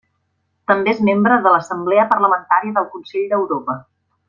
També és membre de l'Assemblea Parlamentària del Consell d'Europa.